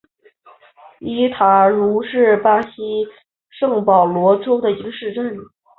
伊塔茹是巴西圣保罗州的一个市镇。